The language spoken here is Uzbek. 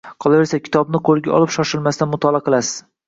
Qolaversa, kitobni qo‘lga olib, shoshilmasdan mutolaa qilasiz